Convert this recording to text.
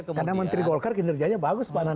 karena menteri golkar kinerjanya bagus pak nana